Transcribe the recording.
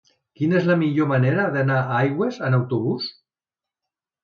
Quina és la millor manera d'anar a Aigües amb autobús?